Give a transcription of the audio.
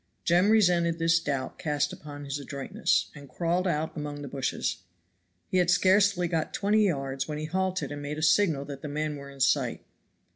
Jem resented this doubt cast upon his adroitness, and crawled out among the bushes. He had scarcely got twenty yards when he halted and made a signal that the men were in sight.